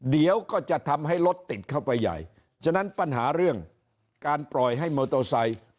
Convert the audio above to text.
เดี๋ยวก็จะทำให้รถติดเข้าไปใหญ่ฉะนั้นปัญหาเรื่องการปล่อยให้มอเตอร์ไซค์